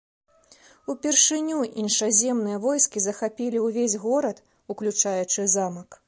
Упершыню іншаземныя войскі захапілі ўвесь горад, уключаючы замак.